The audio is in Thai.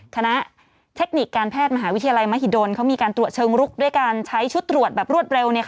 คณะเทคนิคการแพทย์มหาวิทยาลัยมหิดลเขามีการตรวจเชิงรุกด้วยการใช้ชุดตรวจแบบรวดเร็วเนี่ย